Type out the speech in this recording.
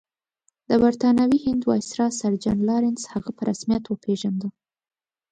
د برټانوي هند ویسرا سر جان لارنس هغه په رسمیت وپېژانده.